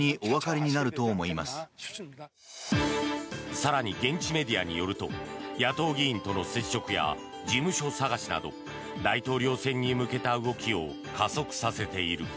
更に、現地メディアによると野党議員との接触や事務所探しなど大統領選に向けた動きを加速させている。